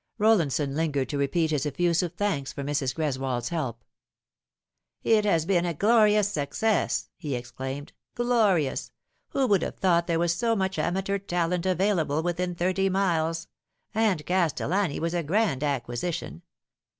Rollinson lingered to repeat his effusive thanks for Mrs. G res wold's help. " It has been a glorious success," he exclaimed ;" glorious ! Who would have thought there was so much amateur talent available within thirty miles? And Castellani was a grand acquisition.